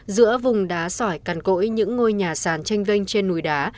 giữa vùng đá sỏi cằn cỗi những ngôi nhà sàn tranh vanh trên núi đá